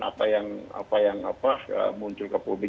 apa yang apa yang apa muncul ke pulmi